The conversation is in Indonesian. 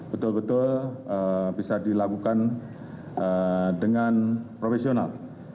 betul betul bisa dilakukan dengan profesional